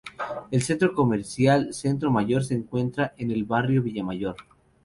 El centro comercial Centro Mayor se encuentra en el barrio Villa Mayor.